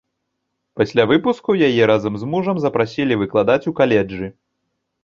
Пасля выпуску яе разам з мужам запрасілі выкладаць у каледжы.